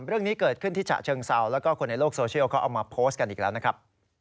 เรื่องนี้เกิดขึ้นที่ฉะเชิงเซาแล้วก็คนในโลกโซเชียลเขาเอามาโพสต์กันอีกแล้วนะครับ